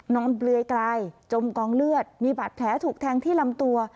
นอนเบลยไกลจมกองเลือดมีบัตรแผลถูกแทงที่ลำตัว